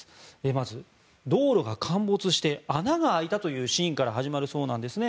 まず道路が陥没して穴が開いたというシーンから始まるそうなんですね。